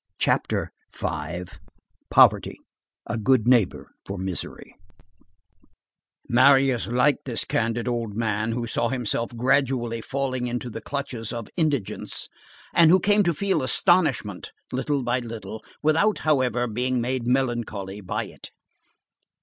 CHAPTER V—POVERTY A GOOD NEIGHBOR FOR MISERY Marius liked this candid old man who saw himself gradually falling into the clutches of indigence, and who came to feel astonishment, little by little, without, however, being made melancholy by it.